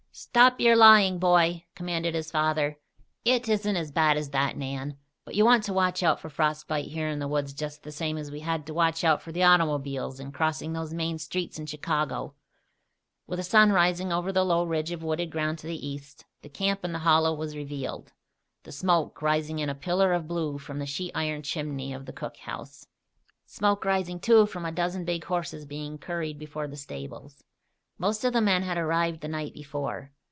"Stop your lying, boy!" commanded his father. "It isn't as bad as that, Nan. But you want to watch out for frost bite here in the woods, just the same as we had to watch out for the automobiles in crossing those main streets in Chicago." With a red sun rising over the low ridge of wooded ground to the east, the camp in the hollow was revealed, the smoke rising in a pillar of blue from the sheet iron chimney of the cookhouse; smoke rising, too, from a dozen big horses being curried before the stables. Most of the men had arrived the night before.